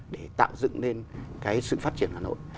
để tạo dựng lên cái sự phát triển hà nội